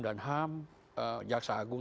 dan ham jaksa agung